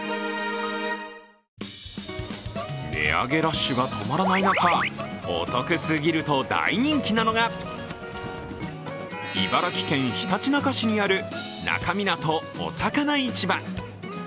値上げラッシュが止まらない中、お得すぎると大人気なのが、茨城県ひたちなか市にある那珂湊おさかな市場。